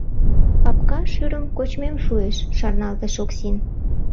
«Папка шӱрым кочмем шуэш...» — шарналтыш Оксин.